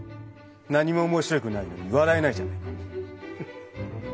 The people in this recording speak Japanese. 何も面白くないのに笑えないじゃないか。